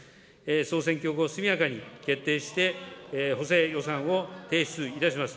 総選挙後速やかに決定して、補正予算を提出いたします。